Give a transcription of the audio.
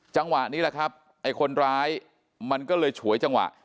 จังหวะนี้แหละครับไอ้คนร้ายมันก็เลยฉวยจังหวะ